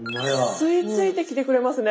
吸いついてきてくれますね。